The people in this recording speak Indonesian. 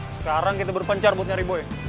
sekarang kita berpencar buat nyari boy